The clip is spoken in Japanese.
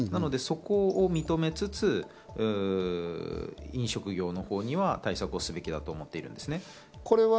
そこを認めつつ、飲食業のほうには対策をすべきだと思ってるんですね。